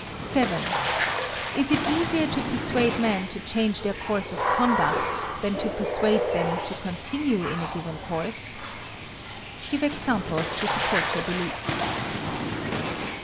7. Is it easier to persuade men to change their course of conduct than to persuade them to continue in a given course? Give examples to support your belief.